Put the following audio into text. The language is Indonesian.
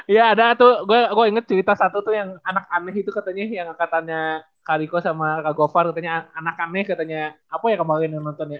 ya ada tuh gue inget cerita satu tuh yang anak aneh itu katanya yang katanya kak riko sama kak gopar katanya anak aneh katanya apa ya kemarin yang nonton ya